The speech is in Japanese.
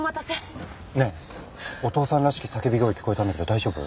ねえお父さんらしき叫び声聞こえたんだけど大丈夫？